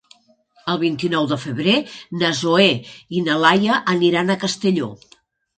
El vint-i-nou de febrer na Zoè i na Laia aniran a Castelló.